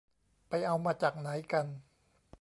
ไปเอามาจากไหนกัน